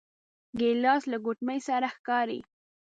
ګیلاس له ګوتمې سره ښکاري.